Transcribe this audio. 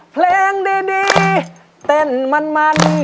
เพลงดีเต้นมัน